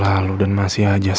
aku canggung sadar aja